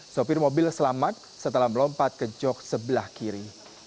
sopir mobil selamat setelah melompat ke jok sebelah kiri